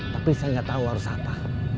tapi saya nggak tahu harus apa